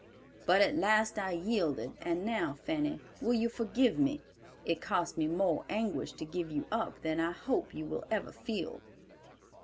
But at last I yielded, and now, Fanny, will you forgive me? It cost me more anguish to give you up than I hope you will ever feel.